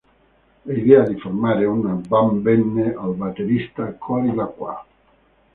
L'idea di formare una band venne al batterista Cory La Quay.